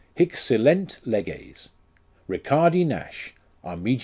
Hie silent Leges RICHARBI NASH, Armig.